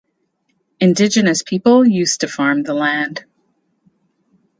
Indigenous people used to farm the land.